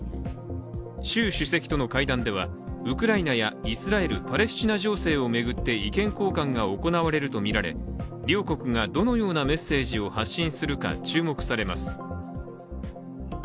習主席との会談ではウクライナやイスラエル・パレスチナ情勢を巡って意見交換が行われるとみられ両国がどのようなメッセージを発信するのか注目されます。